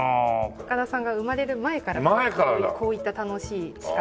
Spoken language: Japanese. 高田さんが生まれる前からこういった楽しい仕掛けを。